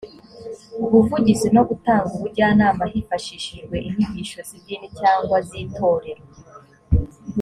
ubuvugizi no gutanga ubujyanama hifashishijwe inyigisho z idini cyangwa z itorero